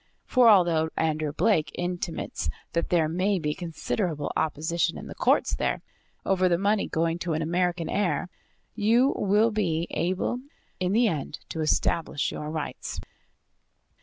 For, although Andrew Blake intimates that there may be considerable opposition in the courts there, over the money going to an American heir, you will be able in the end to establish your rights.